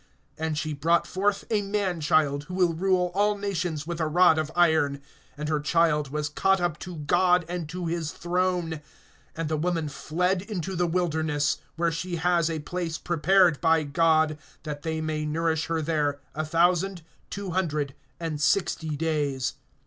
(5)And she brought forth a man child, who will rule all nations with a rod of iron; and her child was caught up to God, and to his throne. (6)And the woman fled into the wilderness, where she has a place prepared by God, that they may nourish her there a thousand two hundred and sixty days.